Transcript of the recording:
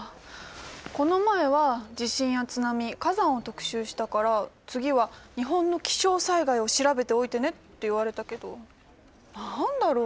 この前は地震や津波火山を特集したから次は日本の気象災害を調べておいてねって言われたけど何だろう